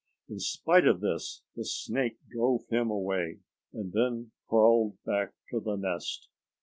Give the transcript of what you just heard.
In spite of this the snake drove him away, and then crawled back to the nest.